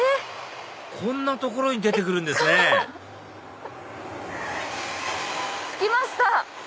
こんな所に出て来るんですね着きました！